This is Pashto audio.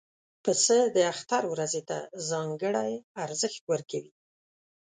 پسه د اختر ورځې ته ځانګړی ارزښت ورکوي.